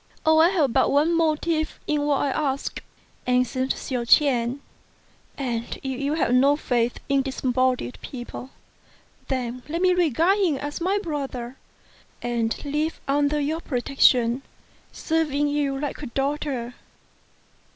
"I have but one motive in what I ask," answered Hsiao ch'ien, "and if you have no faith in disembodied people, then let me regard him as my brother, and live under your protection, serving you like a daughter."